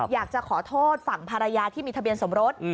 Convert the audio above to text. อยากจะขอโทษฝั่งภรรยาที่มีทะเบียนสมรส